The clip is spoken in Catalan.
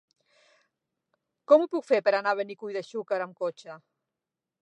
Com ho puc fer per anar a Benicull de Xúquer amb cotxe?